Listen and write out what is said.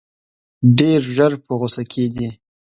ډېر ژر په غوسه کېدی.